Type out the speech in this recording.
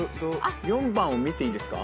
４番を見ていいですか？